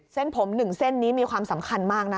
เส้นผม๑เส้นนี้มีความสำคัญมากนะ